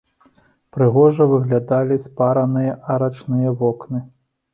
Прыгожа выглядалі спараныя арачныя вокны.